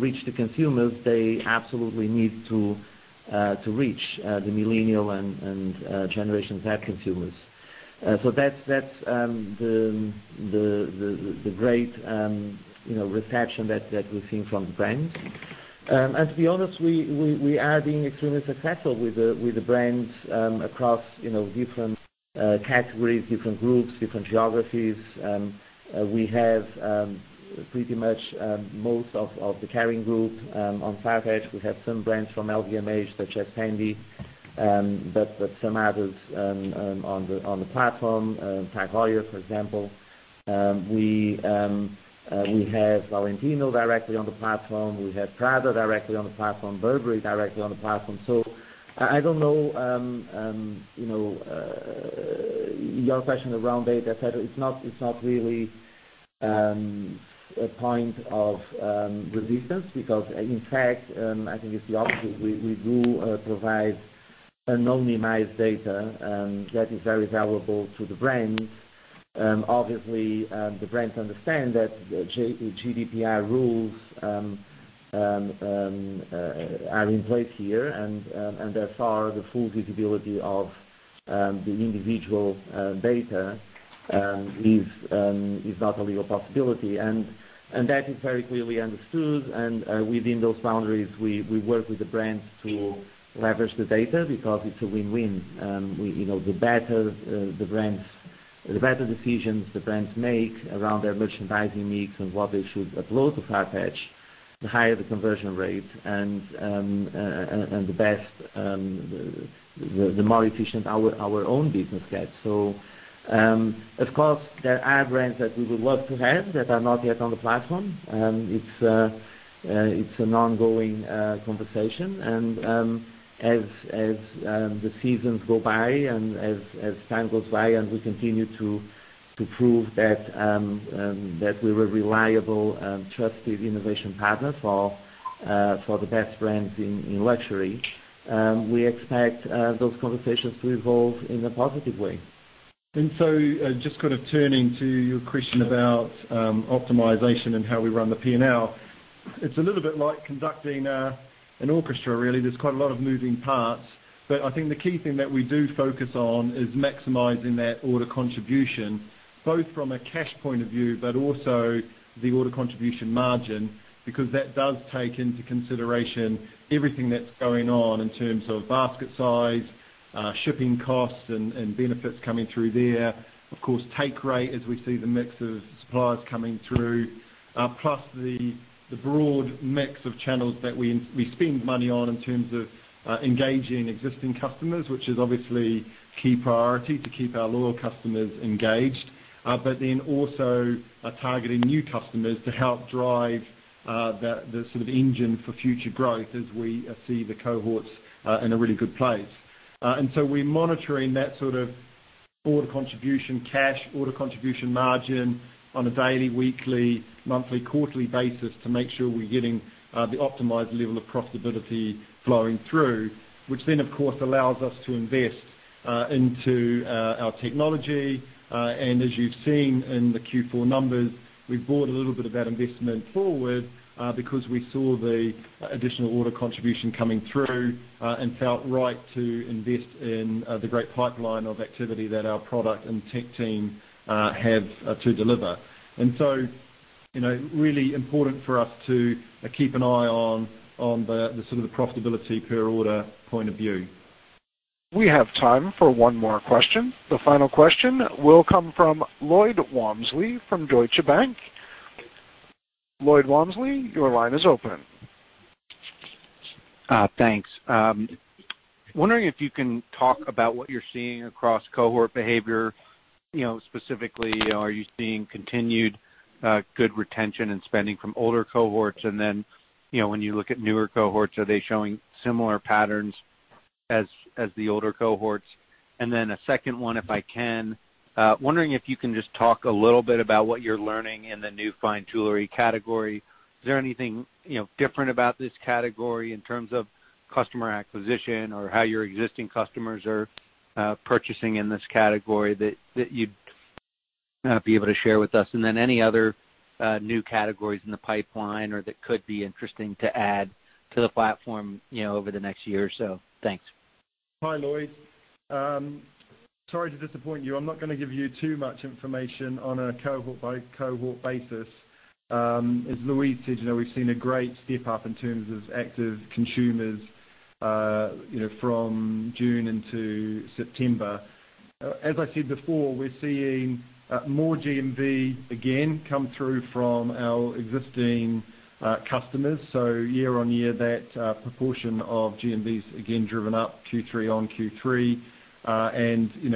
reach the consumers they absolutely need to reach, the millennial and Generation Z consumers. That's the great retention that we're seeing from the brands. To be honest, we are being extremely successful with the brands across different categories, different groups, different geographies. We have pretty much most of the Kering group on FARFETCH. We have some brands from LVMH, such as FENDI, but some others on the platform, TAG Heuer, for example. We have Valentino directly on the platform. We have Prada directly on the platform, Burberry directly on the platform. I don't know, your question around data, et cetera, it's not really a point of resistance because, in fact, I think it's the opposite. We do provide anonymized data that is very valuable to the brands. Obviously, the brands understand that the GDPR rules are in place here, and therefore, the full visibility of the individual data is not a real possibility. That is very clearly understood, and within those boundaries, we work with the brands to leverage the data because it's a win-win. The better decisions the brands make around their merchandising mix and what they should upload to FARFETCH, the higher the conversion rate, and the more efficient our own business gets. Of course, there are brands that we would love to have that are not yet on the platform. It's an ongoing conversation, and as the seasons go by and as time goes by, and we continue to prove that we're a reliable and trusted innovation partner for the best brands in luxury, we expect those conversations to evolve in a positive way. Just kind of turning to your question about optimization and how we run the P&L. It's a little bit like conducting an orchestra, really. There's quite a lot of moving parts. But I think the key thing that we do focus on is maximizing that order contribution, both from a cash point of view, but also the Platform Order Contribution Margin, because that does take into consideration everything that's going on in terms of basket size, shipping costs, and benefits coming through there. Of course, take rate as we see the mix of suppliers coming through. The broad mix of channels that we spend money on in terms of engaging existing customers, which is obviously key priority to keep our loyal customers engaged. Also targeting new customers to help drive the sort of engine for future growth, as we see the cohorts in a really good place. We're monitoring that sort of order contribution, cash Platform Order Contribution Margin on a daily, weekly, monthly, quarterly basis to make sure we're getting the optimized level of profitability flowing through, which then, of course, allows us to invest into our technology. As you've seen in the Q4 numbers, we've brought a little bit of that investment forward because we saw the additional order contribution coming through and felt right to invest in the great pipeline of activity that our product and tech team have to deliver. Really important for us to keep an eye on the sort of profitability per order point of view. We have time for one more question. The final question will come from Lloyd Walmsley from Deutsche Bank. Lloyd Walmsley, your line is open. Thanks. Wondering if you can talk about what you're seeing across cohort behavior. Specifically, are you seeing continued good retention and spending from older cohorts? When you look at newer cohorts, are they showing similar patterns as the older cohorts? A second one, if I can. Wondering if you can just talk a little bit about what you're learning in the new fine jewellery category. Is there anything different about this category in terms of customer acquisition or how your existing customers are purchasing in this category that you'd be able to share with us? Any other new categories in the pipeline or that could be interesting to add to the platform over the next year or so? Thanks. Hi, Lloyd. Sorry to disappoint you. I'm not going to give you too much information on a cohort-by-cohort basis. As Louise said, we've seen a great step up in terms of active consumers from June into September. As I said before, we're seeing more GMV again come through from our existing customers. Year-over-year, that proportion of GMV is again driven up Q3 on Q3.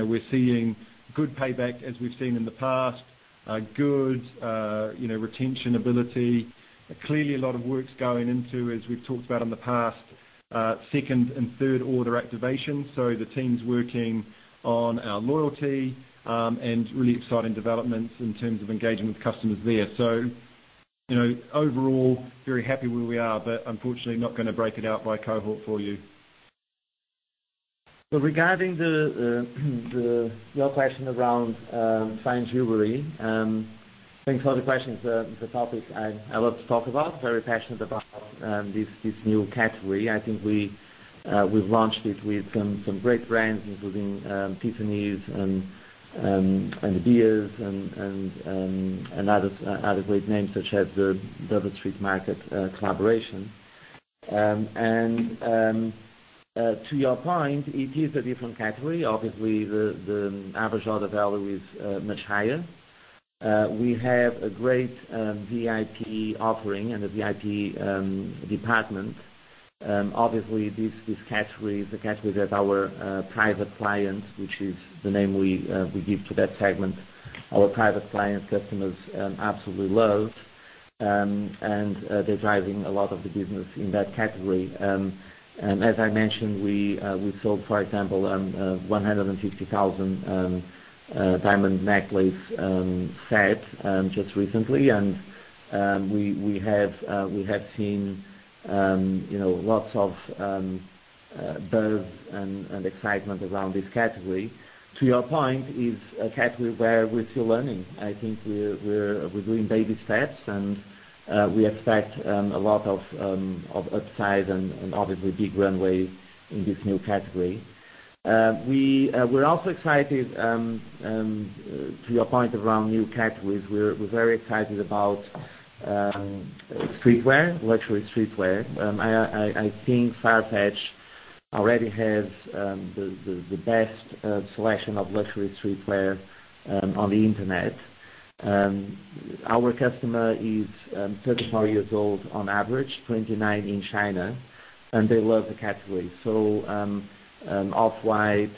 We're seeing good payback as we've seen in the past. Good retention ability. Clearly, a lot of work's going into it. As we've talked about in the past, second and third order activation. The team's working on our loyalty, and really exciting developments in terms of engaging with customers there. Overall, very happy where we are; unfortunately, not going to break it out by cohort for you. Regarding your question around fine jewellery. Thanks for the question. It's a topic I love to talk about, very passionate about this new category. I think we've launched it with some great brands, including Tiffany's and De Beers and other great names such as the Dover Street Market collaboration. To your point, it is a different category. Obviously, the average order value is much higher. We have a great VIP offering and a VIP department. Obviously, this category is a category that our private clients, which is the name we give to that segment, our private clients, customers absolutely love. They're driving a lot of the business in that category. As I mentioned, we sold, for example, a $150,000 diamond necklace set just recently. We have seen lots of buzz and excitement around this category. To your point, it's a category where we're still learning. I think we're doing baby steps. We expect a lot of upside and obviously big runway in this new category. We're also excited, to your point around new categories. We're very excited about luxury streetwear. I think FARFETCH already has the best selection of luxury streetwear on the internet. Our customer is 34 years old on average, 29 in China, and they love the category. Off-White,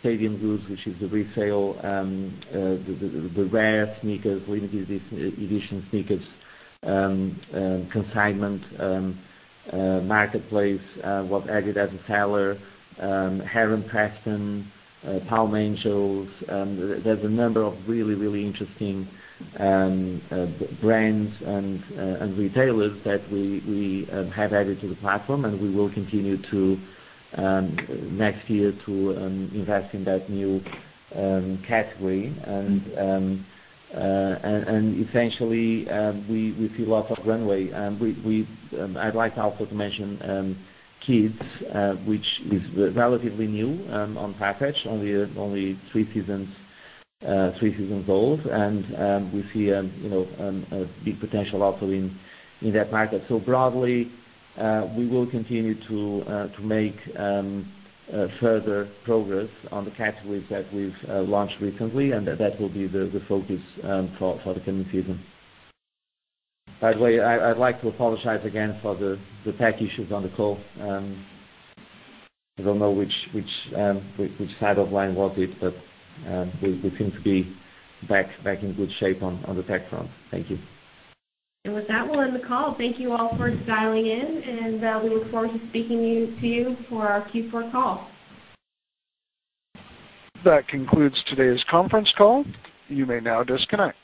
Stadium Goods, which is the resale, the rare sneakers, limited edition sneakers, consignment marketplace, was added as a seller. Heron Preston, Palm Angels, there's a number of really interesting brands and retailers that we have added to the platform, and we will continue next year to invest in that new category. Essentially, we see lots of runway. I'd like also to mention kids, which is relatively new on FARFETCH, only three seasons old. We see a big potential also in that market. Broadly, we will continue to make further progress on the categories that we've launched recently, and that will be the focus for the coming season. By the way, I'd like to apologize again for the tech issues on the call. I don't know which side of line was it, but we seem to be back in good shape on the tech front. Thank you. With that, we'll end the call. Thank you all for dialing in. We look forward to speaking to you for our Q4 call. That concludes today's conference call. You may now disconnect.